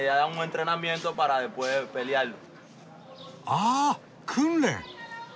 あ！訓練！